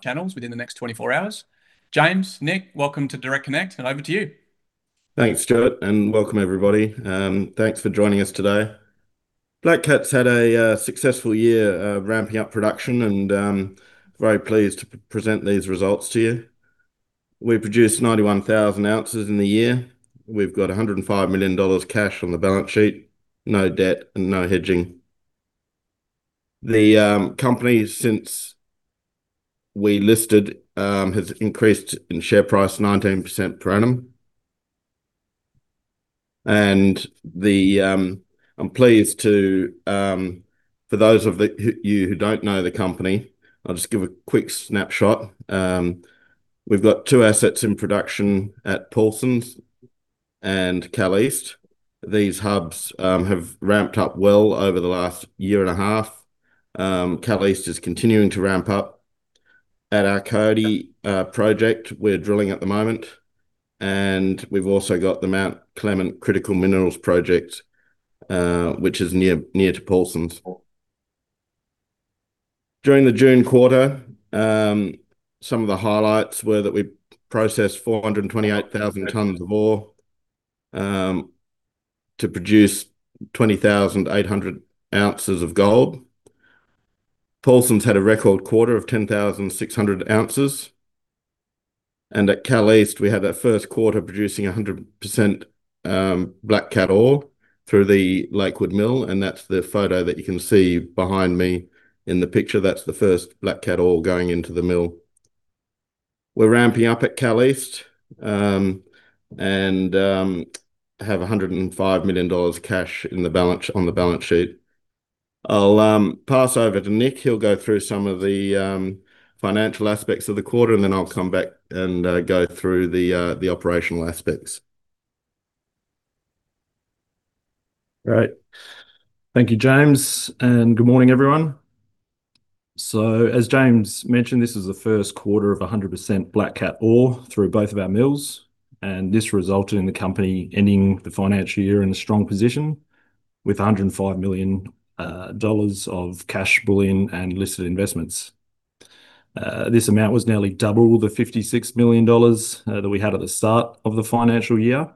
Channels within the next 24 hours. James, Nick, welcome to Direct Connect, over to you. Thanks, Stuart, welcome everybody. Thanks for joining us today. Black Cat's had a successful year ramping up production, very pleased to present these results to you. We produced 91,000 oz in the year. We've got 105 million dollars cash on the balance sheet, no debt and no hedging. The company, since we listed, has increased in share price 19% per annum. I'm pleased to, for those of you who don't know the company, I'll just give a quick snapshot. We've got two assets in production at Paulsens and Kal East. These hubs have ramped up well over the last year and a half. Kal East is continuing to ramp up. At our Coyote project, we're drilling at the moment. We've also got the Mt Clement Critical Minerals project, which is near to Paulsens. During the June quarter, some of the highlights were that we processed 428,000 tons of ore, to produce 20,800 oz of gold. Paulsens had a record quarter of 10,600 oz. At Kal East, we had our first quarter producing 100% Black Cat ore through the Lakewood Mill, that's the photo that you can see behind me in the picture. That's the first Black Cat ore going into the mill. We're ramping up at Kal East, have 105 million dollars cash on the balance sheet. I'll pass over to Nick. He'll go through some of the financial aspects of the quarter, I'll come back and go through the operational aspects. Great. Thank you, James. Good morning, everyone. As James mentioned, this is the first quarter of 100% Black Cat ore through both of our mills, this resulted in the company ending the financial year in a strong position with 105 million dollars of cash bullion and listed investments. This amount was nearly double the 56 million dollars that we had at the start of the financial year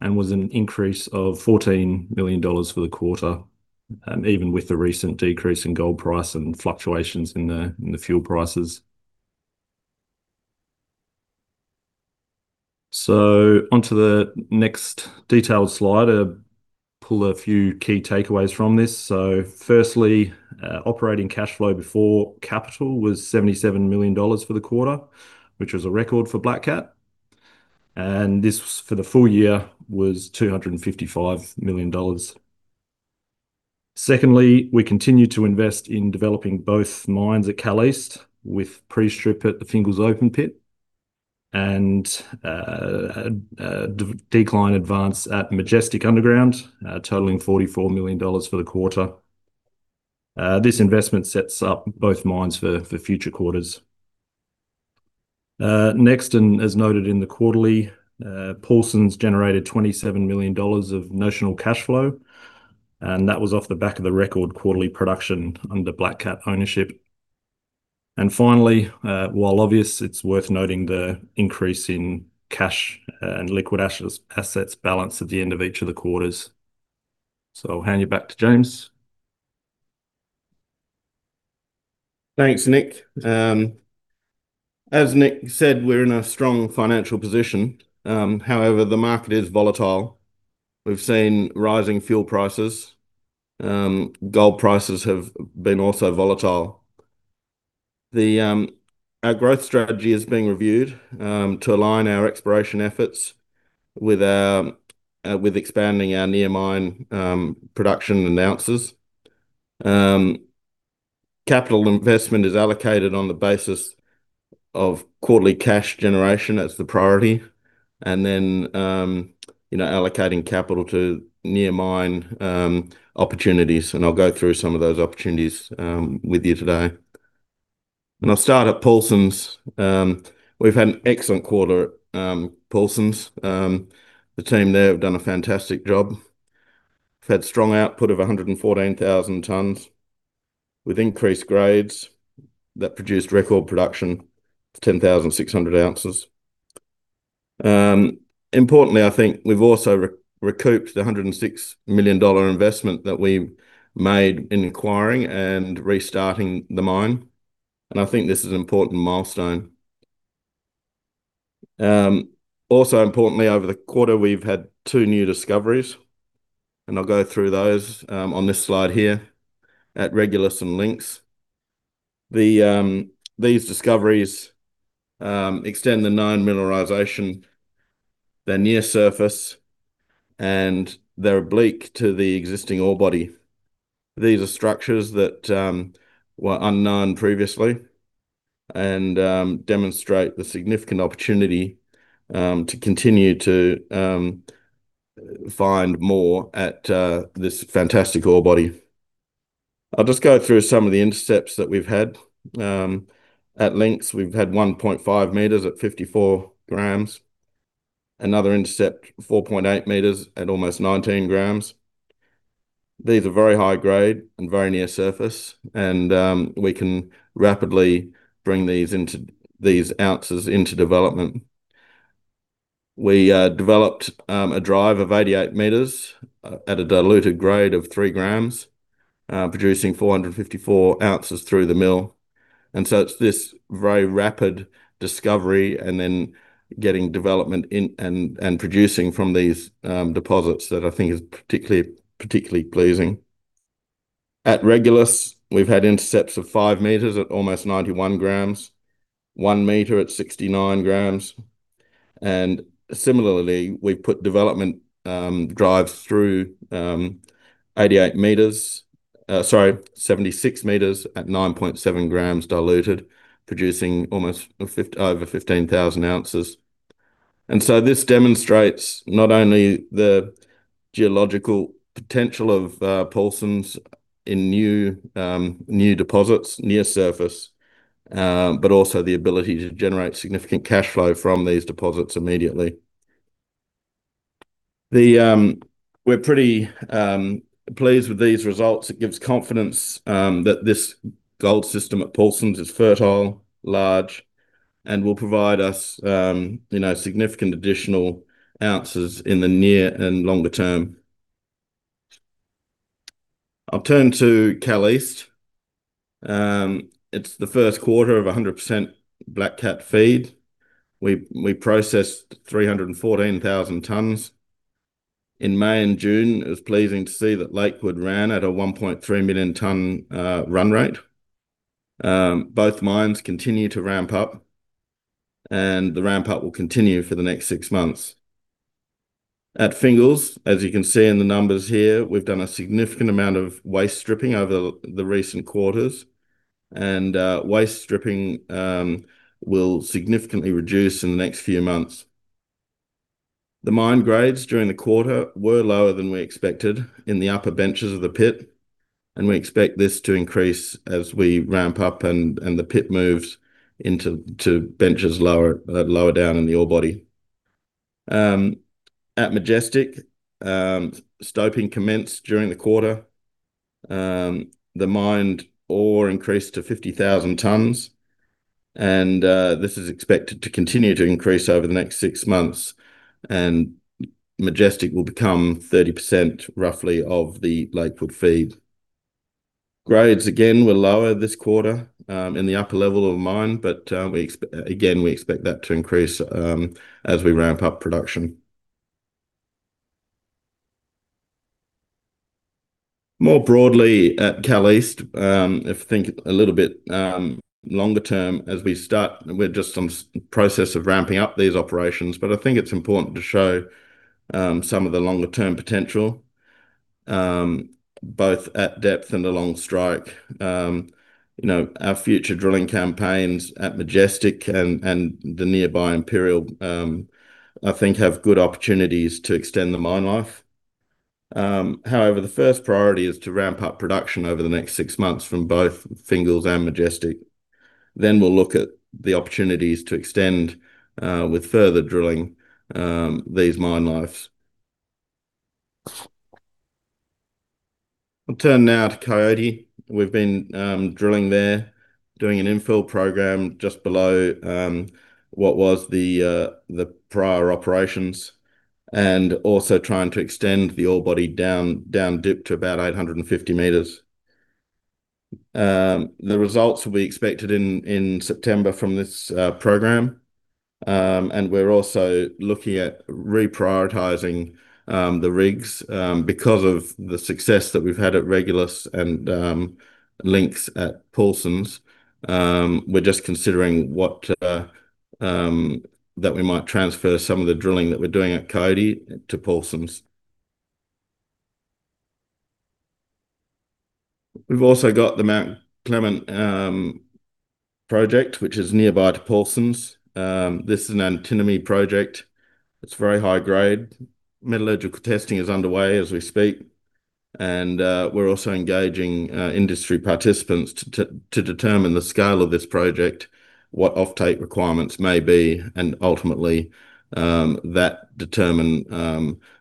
and was an increase of 14 million dollars for the quarter, even with the recent decrease in gold price and fluctuations in the fuel prices. On to the next detailed slide, I'll pull a few key takeaways from this. Firstly, operating cash flow before capital was 77 million dollars for the quarter, which was a record for Black Cat. This, for the full year, was 255 million dollars. We continued to invest in developing both mines at Kal East with pre-strip at the Fingals Open Pit and decline advance at Majestic Underground, totaling 44 million dollars for the quarter. This investment sets up both mines for future quarters. Next, as noted in the quarterly, Paulsens generated 27 million dollars of notional cashflow, that was off the back of the record quarterly production under Black Cat ownership. Finally, while obvious, it's worth noting the increase in cash and liquid assets balance at the end of each of the quarters. I'll hand you back to James. Thanks, Nick. As Nick said, we're in a strong financial position. The market is volatile. We've seen rising fuel prices. Gold prices have been also volatile. Our growth strategy is being reviewed to align our exploration efforts with expanding our near mine production and ounces. Capital investment is allocated on the basis of quarterly cash generation as the priority, then allocating capital to near mine opportunities. I'll go through some of those opportunities with you today. I'll start at Paulsens. We've had an excellent quarter at Paulsens. The team there have done a fantastic job. We've had strong output of 114,000 tons with increased grades that produced record production, 10,600 oz. Importantly, I think we've also recouped the 106 million dollar investment that we made in acquiring and restarting the mine. I think this is an important milestone. Importantly, over the quarter, we've had two new discoveries. I'll go through those on this slide here at Regulus and Lynx. These discoveries extend the known mineralization. They're near surface, they're oblique to the existing ore body. These are structures that were unknown previously and demonstrate the significant opportunity to continue to find more at this fantastic ore body. I'll go through some of the intercepts that we've had. At Lynx, we've had 1.5 m at 54 g. Another intercept, 4.8 m at almost 19 g. These are very high grade and very near surface. We can rapidly bring these ounces into development. We developed a drive of 88 m at a diluted grade of 3 g, producing 454 oz through the mill. It's this very rapid discovery and then getting development and producing from these deposits that I think is particularly pleasing. At Regulus, we've had intercepts of 5 m at almost 91 g, 1 m at 69 g. Similarly, we've put development drives through 76 m at 9.7 g diluted, producing almost over 15,000 oz. This demonstrates not only the geological potential of Paulsens in new deposits near surface, but also the ability to generate significant cash flow from these deposits immediately. We're pretty pleased with these results. It gives confidence that this gold system at Paulsens is fertile, large, and will provide us significant additional ounces in the near and longer term. I'll turn to Kal East. It's the first quarter of 100% Black Cat feed. We processed 314,000 tons. In May and June, it was pleasing to see that Lakewood ran at a 1.3 million ton run rate. Both mines continue to ramp up. The ramp up will continue for the next six months. At Fingals, as you can see in the numbers here, we've done a significant amount of waste stripping over the recent quarters. Waste stripping will significantly reduce in the next few months. The mine grades during the quarter were lower than we expected in the upper benches of the pit. We expect this to increase as we ramp up and the pit moves into benches lower down in the ore body. At Majestic, stoping commenced during the quarter. The mined ore increased to 50,000 tons. This is expected to continue to increase over the next six months. Majestic will become 30% roughly of the Lakewood feed. Grades again were lower this quarter in the upper level of the mine. Again, we expect that to increase as we ramp up production. More broadly at Kal East, if you think a little bit longer term as we start, we're just in the process of ramping up these operations. I think it's important to show some of the longer-term potential, both at depth and along strike. Our future drilling campaigns at Majestic and the nearby Imperial, I think have good opportunities to extend the mine life. The first priority is to ramp up production over the next six months from both Fingals and Majestic. We'll look at the opportunities to extend with further drilling these mine lives. I'll turn now to Coyote. We've been drilling there, doing an infill program just below what was the prior operations. Also trying to extend the ore body down dip to about 850 m. The results will be expected in September from this program. We're also looking at reprioritizing the rigs. Because of the success that we've had at Regulus and Lynx at Paulsens, we're just considering that we might transfer some of the drilling that we're doing at Coyote to Paulsens. We've also got the Mt Clement project, which is nearby to Paulsens. This is an antimony project. It's very high grade. Metallurgical testing is underway as we speak. We're also engaging industry participants to determine the scale of this project, what offtake requirements may be. Ultimately, that determine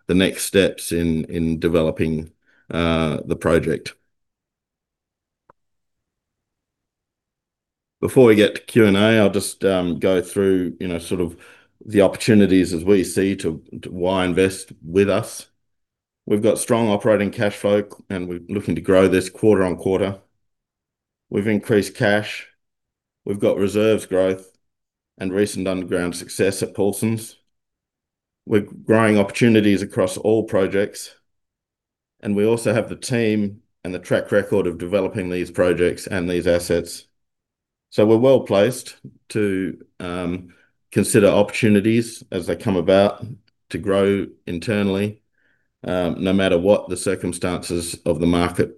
the next steps in developing the project. Before we get to Q&A, I'll just go through sort of the opportunities as we see to why invest with us. We've got strong operating cash flow. We're looking to grow this quarter-on-quarter. We've increased cash, we've got reserves growth and recent underground success at Paulsens. We're growing opportunities across all projects. We also have the team and the track record of developing these projects and these assets. We're well-placed to consider opportunities as they come about to grow internally, no matter what the circumstances of the market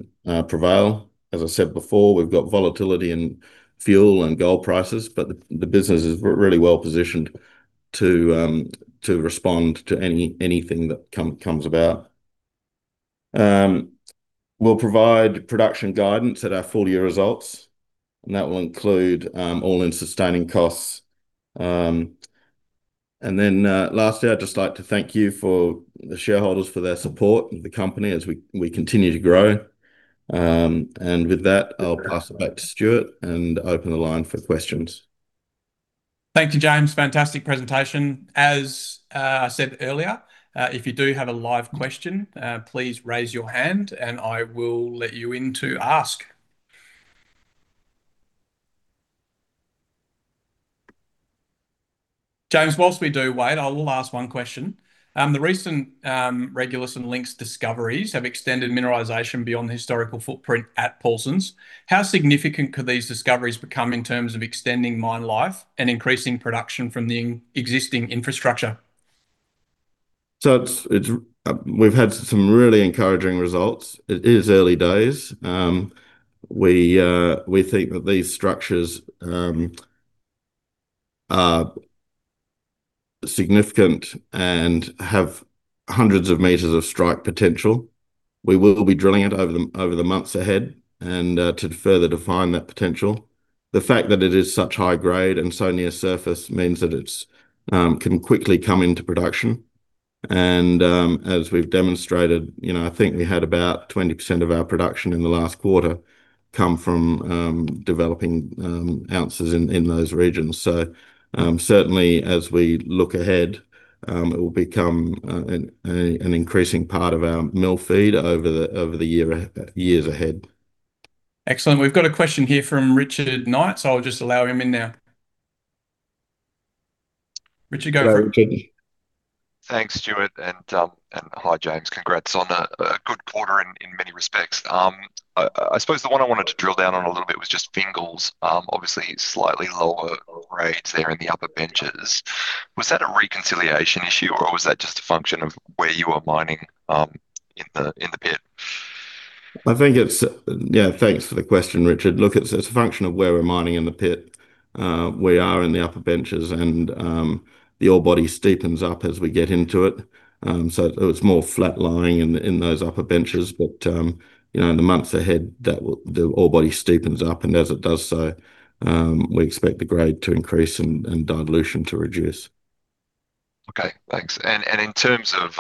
prevail. As I said before, we've got volatility in fuel and gold prices. The business is really well positioned to respond to anything that comes about. We'll provide production guidance at our full-year results. That will include all-in sustaining costs. Lastly, I'd just like to thank you for the shareholders for their support of the company as we continue to grow. With that, I'll pass it back to Stuart and open the line for questions. Thank you, James. Fantastic presentation. As I said earlier, if you do have a live question, please raise your hand and I will let you in to ask. James, whilst we do wait, I will ask one question. The recent Regulus and Lynx discoveries have extended mineralization beyond the historical footprint at Paulsens. How significant could these discoveries become in terms of extending mine life and increasing production from the existing infrastructure? We've had some really encouraging results. It is early days. We think that these structures are significant and have hundreds of meters of strike potential. We will be drilling it over the months ahead and to further define that potential. The fact that it is such high grade and so near surface means that it can quickly come into production. As we've demonstrated, I think we had about 20% of our production in the last quarter come from developing ounces in those regions. Certainly as we look ahead, it will become an increasing part of our mill feed over the years ahead. Excellent. We've got a question here from [Richard Knight], I'll just allow him in now. Richard, go for it. Go, Richard. Thanks, Stuart, and hi, James. Congrats on a good quarter in many respects. I suppose the one I wanted to drill down on a little bit was just Fingals. Obviously, slightly lower grades there in the upper benches. Was that a reconciliation issue or was that just a function of where you are mining in the pit? Yeah, thanks for the question, Richard. Look, it's a function of where we're mining in the pit. We are in the upper benches and the ore body steepens up as we get into it. It's more flat lying in those upper benches but in the months ahead, the ore body steepens up and as it does so, we expect the grade to increase and dilution to reduce. Okay, thanks. In terms of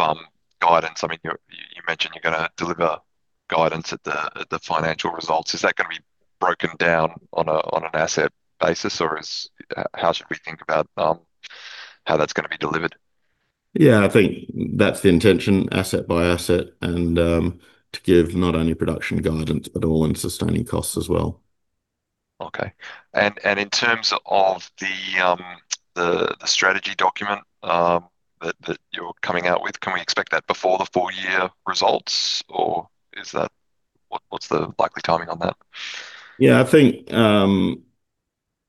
guidance, you mentioned you're going to deliver guidance at the financial results. Is that going to be broken down on an asset basis or how should we think about how that's going to be delivered? Yeah, I think that's the intention, asset by asset and to give not only production guidance but all-in sustaining costs as well. Okay. In terms of the strategy document that you're coming out with, can we expect that before the full year results? Or what's the likely timing on that? Yeah, I think,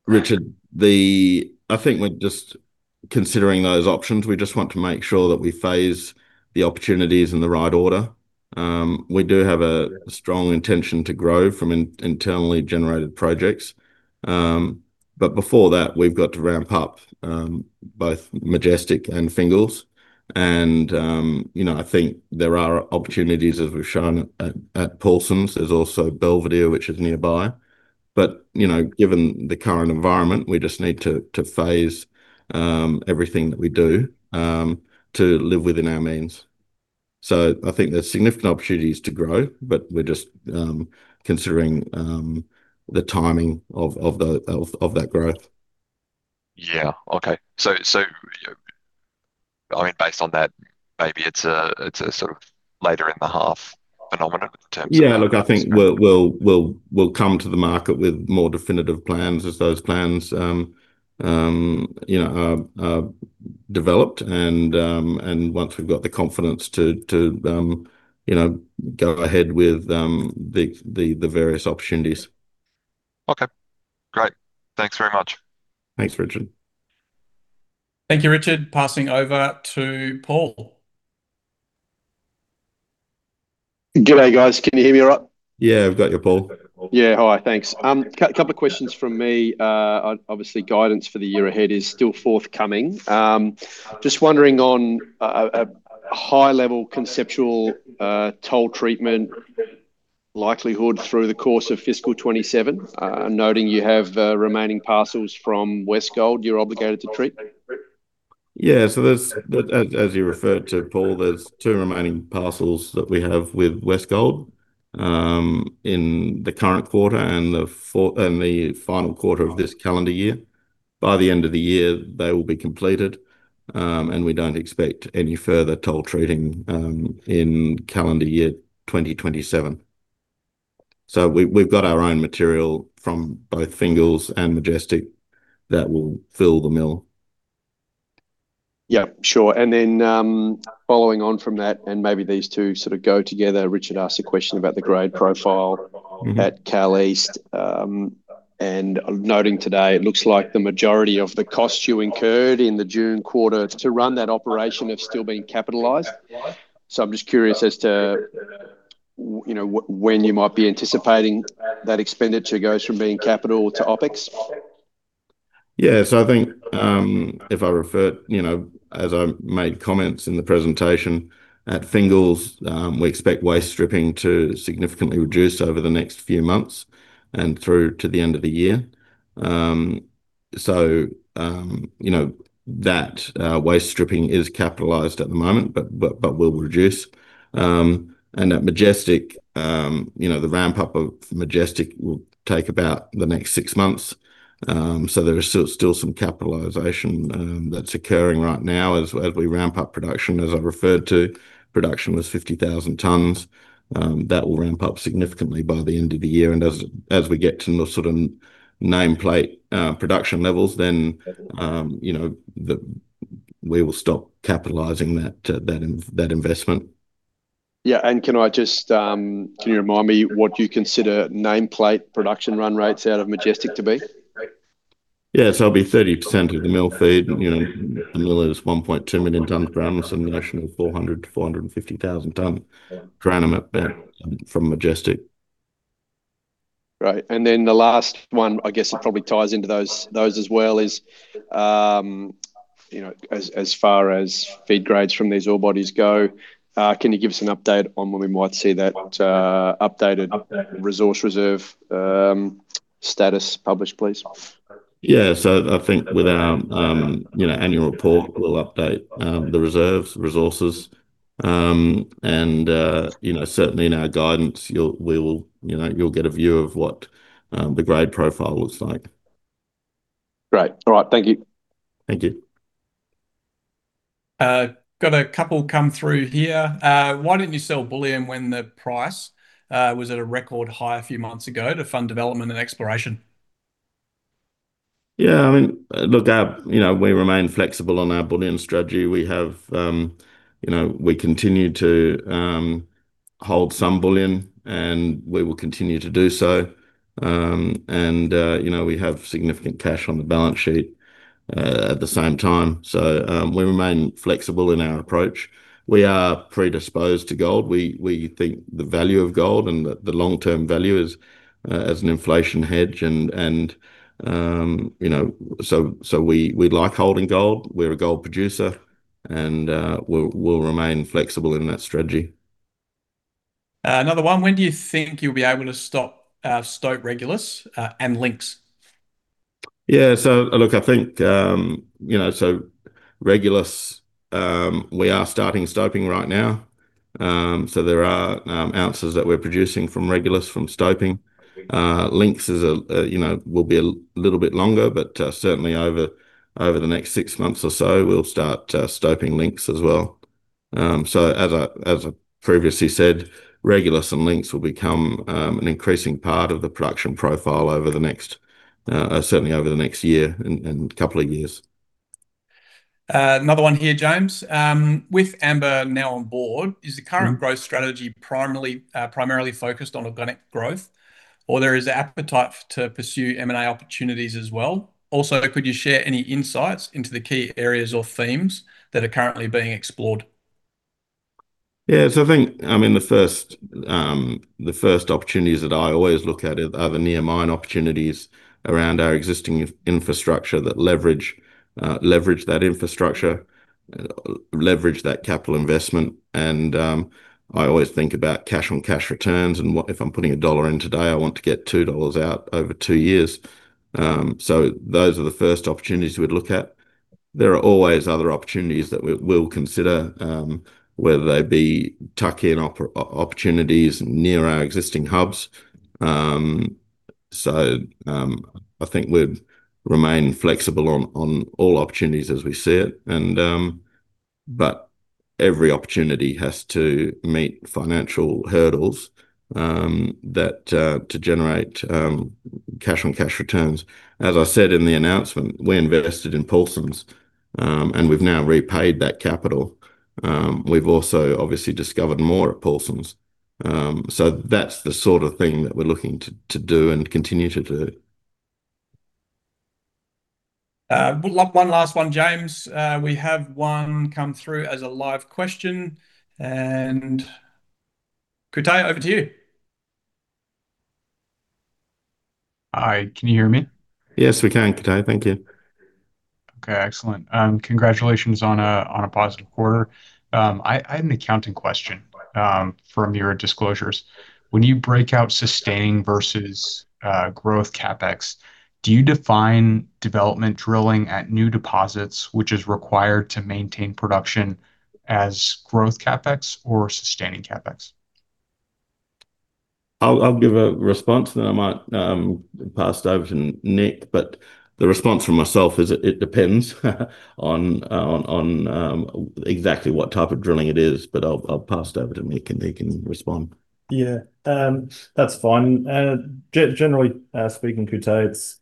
Richard, I think we're just considering those options. We just want to make sure that we phase the opportunities in the right order. We do have a strong intention to grow from internally generated projects. Before that, we've got to ramp up both Majestic and Fingals and I think there are opportunities, as we've shown at Paulsens. There's also Belvedere, which is nearby. Given the current environment, we just need to phase everything that we do to live within our means. I think there's significant opportunities to grow, but we're just considering the timing of that growth. Yeah. Okay. Based on that, maybe it's a sort of later in the half phenomenon in terms of? Yeah, look, I think we'll come to the market with more definitive plans as those plans are developed and once we've got the confidence to go ahead with the various opportunities. Okay, great. Thanks very much. Thanks, Richard. Thank you, Richard. Passing over to Paul. Good day, guys. Can you hear me all right? Yeah, we've got you, Paul. Yeah. Hi, thanks. Couple of questions from me. Obviously, guidance for the year ahead is still forthcoming. Just wondering on a high level conceptual toll treatment likelihood through the course of FY 2027. Noting you have remaining parcels from Westgold you're obligated to treat? As you referred to, Paul, there's two remaining parcels that we have with Westgold in the current quarter and the final quarter of this calendar year. By the end of the year, they will be completed. We don't expect any further toll treating in calendar year 2027. We've got our own material from both Fingals and Majestic that will fill the mill. Yeah, sure. Following on from that, maybe these two sort of go together. Richard asked a question about the grade profile at Kal East. Noting today it looks like the majority of the costs you incurred in the June quarter to run that operation have still been capitalized. I'm just curious as to when you might be anticipating that expenditure goes from being capital to OpEx? Yeah. I think as I made comments in the presentation at Fingals, we expect waste stripping to significantly reduce over the next few months and through to the end of the year. That waste stripping is capitalized at the moment, but will reduce. That Majestic, the ramp-up of Majestic will take about the next six months. There is still some capitalization that's occurring right now as we ramp up production. As I referred to, production was 50,000 tons. That will ramp up significantly by the end of the year. As we get to the sort of nameplate production levels, we will stop capitalizing that investment. Yeah. Can you remind me what you consider nameplate production run rates out of Majestic to be? Yeah. It'll be 30% of the mill feed, the mill is 1.2 million tons ground with a national 400,000-450,000 tons ground from Majestic. Right. The last one, I guess it probably ties into those as well, is as far as feed grades from these ore bodies go, can you give us an update on when we might see that updated resource reserve status published, please? Yeah. I think with our annual report, we will update the reserves, resources. Certainly in our guidance you will get a view of what the grade profile looks like. Great. All right. Thank you. Thank you. Got a couple come through here. Why didn't you sell bullion when the price was at a record high a few months ago to fund development and exploration? Yeah. Look, we remain flexible on our bullion strategy. We continue to hold some bullion, and we will continue to do so. We have significant cash on the balance sheet at the same time. We remain flexible in our approach. We are predisposed to gold. We think the value of gold and the long-term value as an inflation hedge and we like holding gold. We're a gold producer, and we'll remain flexible in that strategy. Another one. When do you think you'll be able to stop stope Regulus and Lynx? Yeah. Look, I think Regulus, we are starting stoping right now. There are ounces that we're producing from Regulus from stoping. Lynx will be a little bit longer, but certainly over the next six months or so we'll start stoping Lynx as well. As I previously said, Regulus and Lynx will become an increasing part of the production profile certainly over the next year and couple of years. Another one here, James. With Amber now on Board, is the current growth strategy primarily focused on organic growth, or there is appetite to pursue M&A opportunities as well? Also, could you share any insights into the key areas or themes that are currently being explored? Yeah. I think, the first opportunities that I always look at are the near mine opportunities around our existing infrastructure that leverage that infrastructure, leverage that capital investment, and I always think about cash on cash returns and what if I'm putting AUD 1 in today, I want to get 2 dollars out over two years. Those are the first opportunities we'd look at. There are always other opportunities that we'll consider, whether they be tuck-in opportunities near our existing hubs. I think we'd remain flexible on all opportunities as we see it. Every opportunity has to meet financial hurdles to generate cash on cash returns. As I said in the announcement, we invested in Paulsens, and we've now repaid that capital. We've also obviously discovered more at Paulsens. That's the sort of thing that we're looking to do and continue to do. One last one, James. We have one come through as a live question, and [Kote], over to you. Hi. Can you hear me? Yes, we can, Kote. Thank you. Okay, excellent. Congratulations on a positive quarter. I have an accounting question from your disclosures. When you break out sustaining versus growth CapEx, do you define development drilling at new deposits, which is required to maintain production as growth CapEx or sustaining CapEx? I'll give a response then I might pass it over to Nick. The response from myself is it depends on exactly what type of drilling it is, but I'll pass it over to Nick and he can respond. Yeah. That's fine. Generally speaking, Kote,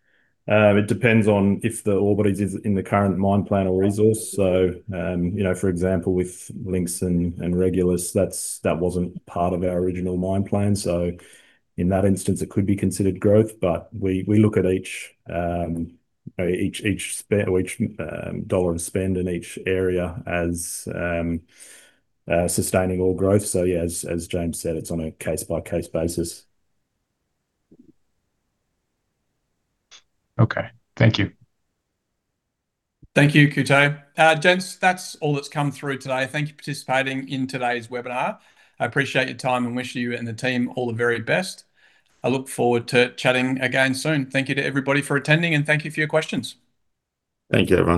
it depends on if the ore bodies is in the current mine plan or resource. For example, with Lynx and Regulus, that wasn't part of our original mine plan. In that instance, it could be considered growth. We look at each dollar of spend in each area as sustaining ore growth. Yeah, as James said, it's on a case-by-case basis. Okay. Thank you. Thank you, Kote. James, that's all that's come through today. Thank you for participating in today's webinar. I appreciate your time and wish you and the team all the very best. I look forward to chatting again soon. Thank you to everybody for attending, and thank you for your questions. Thank you, everyone.